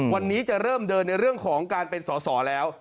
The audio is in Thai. วันนี้จะเริ่มเดินในเรื่องของการเป็นสอสอแล้ว